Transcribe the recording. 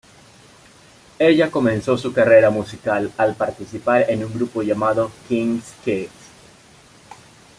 Ella comenzó su carrera musical al participar en un grupo llamado King's Kids.